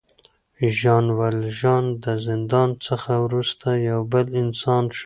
ژان والژان د زندان څخه وروسته یو بل انسان شو.